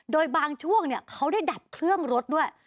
โดยบางช่วงเขาได้ดับเครื่องรถด้วย